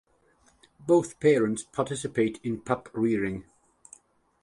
Both parents participate in pup-rearing.